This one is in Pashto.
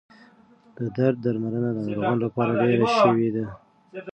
د درد درملنه د ناروغانو لپاره ډېره شوې ده.